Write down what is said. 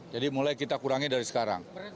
jadi mulai kita kurangi dari sekarang